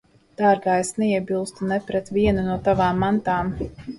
Dārgā, es neiebilstu ne pret vienu no tavām mantām.